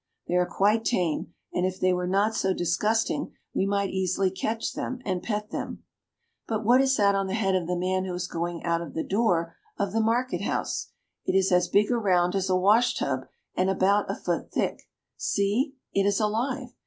They are quite tame, and if they were not so disgusting we might easily catch them and pet them. But what is that on the head of the man who is going out of the door of the market house ? It is as big around \ PARA. 311 as a washtub and about a foot thick. See, it is alive